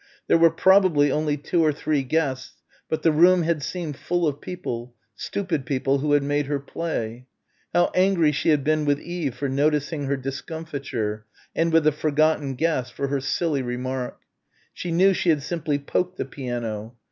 There were probably only two or three guests, but the room had seemed full of people, stupid people who had made her play. How angry she had been with Eve for noticing her discomfiture and with the forgotten guest for her silly remark. She knew she had simply poked the piano.